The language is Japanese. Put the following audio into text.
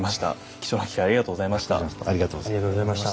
貴重な機会をありがとうございました。